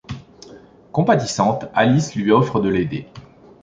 Compatissante, Alice lui offre de l'aider.